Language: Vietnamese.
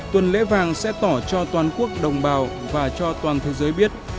tuần lễ vàng sẽ tỏ cho toàn quốc đồng bào và cho toàn thế giới biết